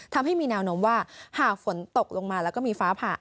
ทำให้มีแนวโน้มว่าหากฝนตกลงมาแล้วก็มีฟ้าผ่า